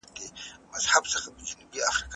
په انسان پوهنه کي بېلابېلې څانګي منځته راغلي دي.